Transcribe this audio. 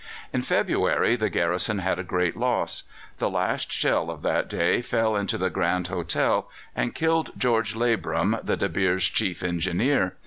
In February the garrison had a great loss. The last shell of that day fell into the Grand Hotel and killed George Labram, the De Beers chief engineer.